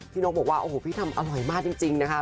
นกบอกว่าโอ้โหพี่ทำอร่อยมากจริงนะคะ